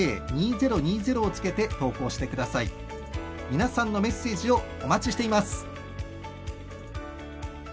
皆さんのメッセージをお待ちしています。